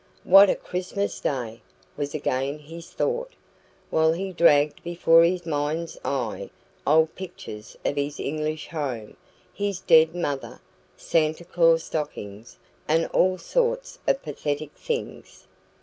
"What a Christmas Day!" was again his thought, while he dragged before his mind's eye old pictures of his English home, his dead mother, Santa Claus stockings, and all sorts of pathetic things.